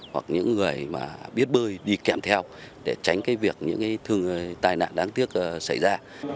hoặc những người mà biết bơi đi kèm theo để tránh cái việc những cái thương tai nạn đáng tiếc xảy ra